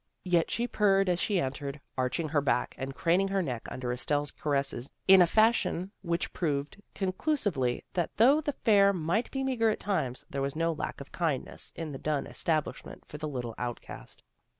Yet she purred, 212 THE GIRLS OF FRIENDLY TERRACE as she entered, arching her back, and craning her neck under Estelle's caresses in a fashion which proved conclusively that though the fare night be meagre at times there was no lack of kindness in the Dunn establishment for the little outcast.